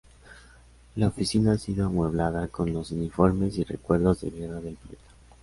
La oficina ha sido amueblada con los uniformes y recuerdos de guerra del poeta.